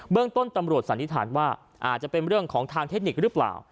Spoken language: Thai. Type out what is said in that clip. เรื่องต้นตำรวจสันนิษฐานว่าอาจจะเป็นเรื่องของทางเทคนิคหรือเปล่า